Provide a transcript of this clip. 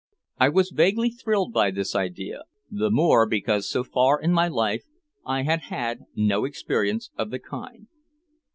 I was vaguely thrilled by this idea, the more because so far in my life I had had no experience of the kind.